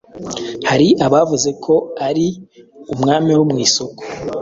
hari abavuze ko ari "umwami wo mw'isoko"